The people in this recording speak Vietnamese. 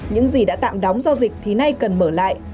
những gì đã tạm đóng do dịch thì nay cần mở lại